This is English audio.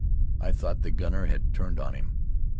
I thought the gunner had turned on him.